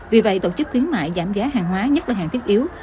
vì vậy tổ chức khuyến mại giảm giá hàng hóa nhất là hàng thiết yếu